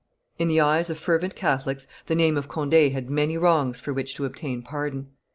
In the eyes of fervent Catholics the name of Conde had many wrongs for which to obtain pardon.